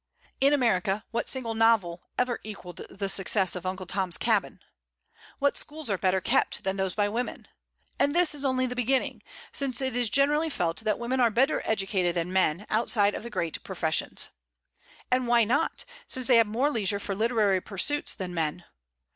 In America, what single novel ever equalled the success of "Uncle Tom's Cabin"? What schools are better kept than those by women? And this is only the beginning, since it is generally felt that women are better educated than men, outside of the great professions. And why not, since they have more leisure for literary pursuits than men?